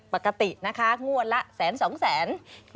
ปกตินะคะงวดละแสน๒แสน